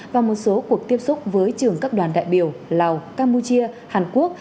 và một số cuộc tiếp xúc với trưởng các đoàn đại biểu lào campuchia hàn quốc